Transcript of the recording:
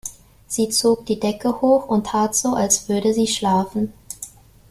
Sie zog die Decke hoch und tat so, als würde sie schlafen.